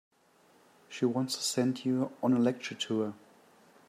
She wants to send you on a lecture tour.